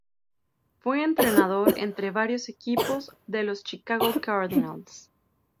Fue entrenador entre varios equipos de los Chicago Cardinals.